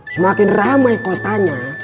semakin ramai kotanya